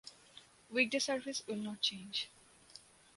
Weekday service will not change.